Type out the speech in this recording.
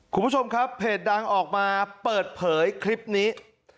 คุณผู้ชมครับเพจดังออกมาเปิดเผยคลิปนี้